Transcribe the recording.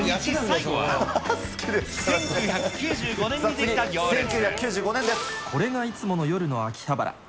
１最後はこれがいつもの夜の秋葉原。